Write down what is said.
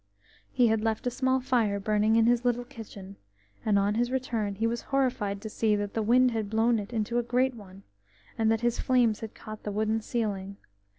He had left a small fire burning in his little kitchen, and on his return he was horrified to see that the wind had blown it into a great one, and that its flames had caught the wooden ceiling.